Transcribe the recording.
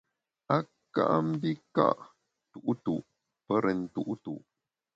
A ka mbi ka’ tu’tu’ pe rèn tu’tu’.